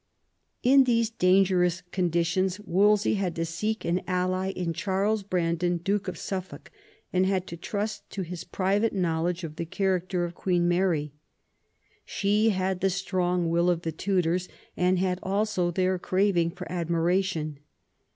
In these dangerous conditions Wolsey had to seek an ally in Charles Brandon, Duke of Suffolk, and had to trust to his private knowledge of the character of Queen Mary. She had the strong will of the Tudors, and had also their craving for admiration.